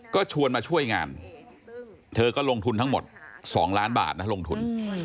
ก็ชวนมาช่วยงานเธอก็ลงทุนทั้งหมด๒ล้านบาทนะลงทุน